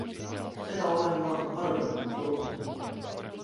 Seda olen ma hardalt lootnud.